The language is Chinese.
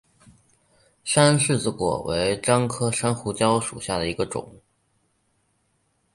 山柿子果为樟科山胡椒属下的一个种。